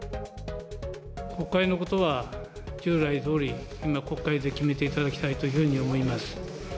国会のことは、従来どおり国会で決めていただきたいというふうに思います。